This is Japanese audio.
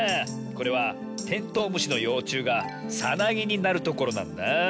これはテントウムシのようちゅうがさなぎになるところなんだあ。